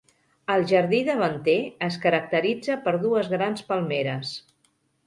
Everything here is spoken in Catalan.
El jardí davanter es caracteritza per dues grans palmeres.